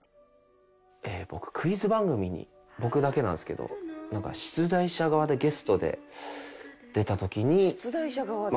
僕クイズ番組に僕だけなんですけど出題者側でゲストで出た時に。